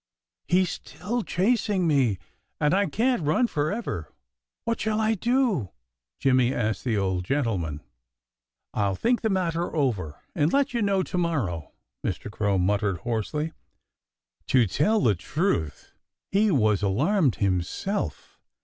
"He's still chasing me. And I can't run forever. What shall I do?" Jimmy asked the old gentleman. "I'll think the matter over and let you know to morrow," Mr. Crow muttered hoarsely. To tell the truth, he was alarmed himself.